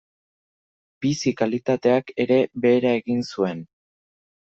Bizi-kalitateak ere behera egin zuen.